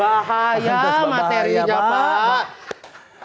bahaya materinya pak